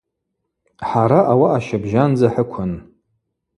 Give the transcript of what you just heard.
Хӏара ауаъа щыбжьандза хӏыквын.